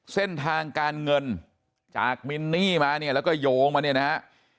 เส้นทางการเงินจากมินนี่มาเนี่ยแล้วก็โยงมาเนี่ยนะฮะ